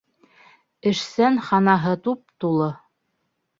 Эшсән ханаһытуп-тулы